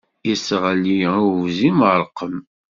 Yesseɣli i ufzim ṛṛqem.